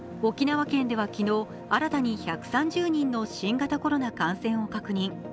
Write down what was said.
沖縄県では昨日、新たに１３０人の新型コロナ感染を確認。